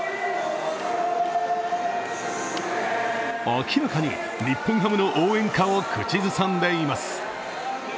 明らかに日本ハムの応援歌を口ずさんでいます。